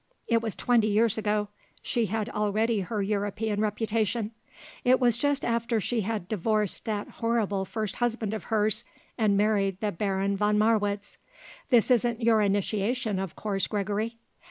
It was twenty years ago; she had already her European reputation. It was just after she had divorced that horrible first husband of hers and married the Baron von Marwitz. This isn't your initiation, of course, Gregory?"